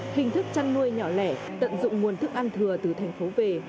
hình thức chăn nuôi nhỏ lẻ tận dụng nguồn thức ăn thừa từ thành phố về